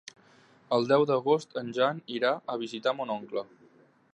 El deu d'agost en Jan irà a visitar mon oncle.